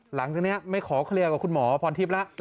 หลังจากนี้ไม่ขอเคลียร์กับคุณหมอพรทิพย์แล้ว